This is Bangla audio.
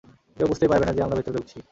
কেউ বুঝতেই পারবে না যে আমরা ভেতরে ঢুকছি।